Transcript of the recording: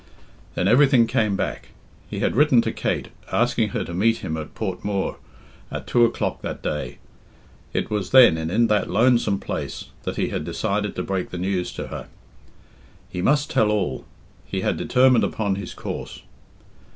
Then everything came back. He had written to Kate, asking her to meet him at Port Mooar at two o'clock that day. It was then, and in that lonesome place, that he had decided to break the news to her. He must tell all; he had determined upon his course.